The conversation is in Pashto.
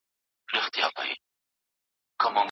یکه زار نارې یې اورم په کونړ کي جاله وان دی